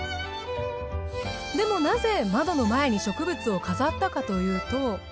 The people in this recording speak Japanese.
でもなぜ窓の前に植物を飾ったかというと。